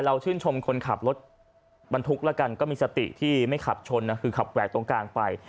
ชื่นชมคนขับรถบรรทุกแล้วกันก็มีสติที่ไม่ขับชนนะคือขับแหวกตรงกลางไป